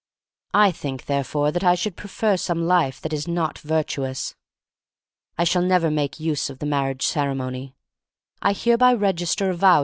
I think, therefore, that I should pre fer some life that is not virtuous. I shall never make use of the mar riage ceremony. I hereby register a vow.